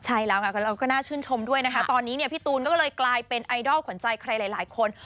ใช่แล้วค่ะเราก็น่าชื่นชมด้วยนะคะตอนนี้เนี่ยพี่ตูนก็เลยกลายเป็นไอดอลขวัญใจใครหลายคน